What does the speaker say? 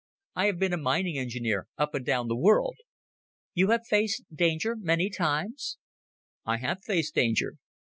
"I have been a mining engineer up and down the world." "You have faced danger many times?" "I have faced danger."